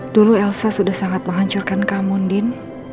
dulu elsa sudah sangat menghancurkan kamu din